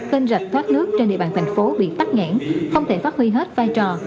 kênh rạch thoát nước trên địa bàn thành phố bị tắt nghẽn không thể phát huy hết vai trò